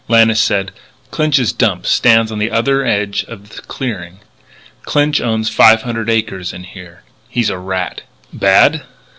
Lannis said: "Clinch's dump stands on the other edge of the clearing. Clinch owns five hundred acres in here. He's a rat." "Bad?"